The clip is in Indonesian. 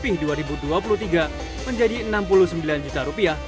di dua ribu dua puluh tiga menjadi rp enam puluh sembilan juta